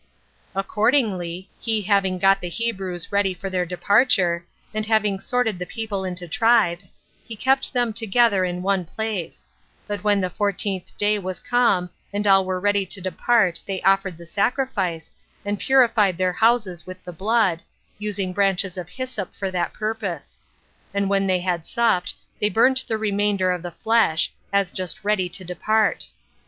Accordingly, he having got the Hebrews ready for their departure, and having sorted the people into tribes, he kept them together in one place: but when the fourteenth day was come, and all were ready to depart they offered the sacrifice, and purified their houses with the blood, using bunches of hyssop for that purpose; and when they had supped, they burnt the remainder of the flesh, as just ready to depart.